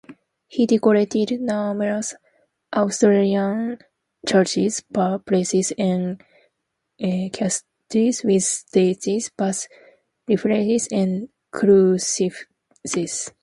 He decorated numerous Austrian churches, palaces and castles with statues, bas-reliefs and crucifixes.